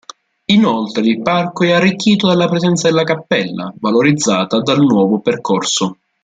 Inoltre il Parco è arricchito dalla presenza della Cappella, valorizzata dal nuovo percorso.